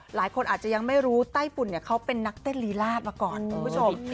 หลายคนอาจจะยังไม่รู้ไต้ฝุ่นเนี่ยเขาเป็นนักเต้นลีลาดมาก่อนคุณผู้ชม